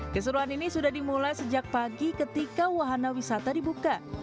keseruan ini sudah dimulai sejak pagi ketika wahana wisata dibuka